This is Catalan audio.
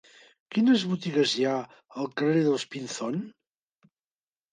Quines botigues hi ha al carrer dels Pinzón?